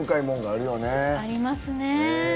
ありますね。